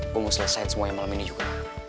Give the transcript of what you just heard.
gue mau selesain semuanya malam ini juga